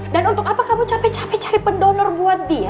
dan untuk apa kamu capek capek cari pendonor buahnya